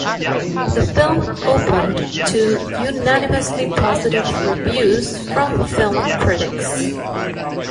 The film opened to unanimously positive reviews from film critics.